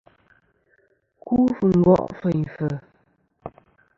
Ku fɨ ngo' feyn fɨ̀.